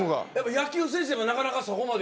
野球選手でもなかなかそこまで。